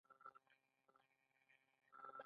پیرودونکی هغه څوک دی چې ستا د بری دعا کوي.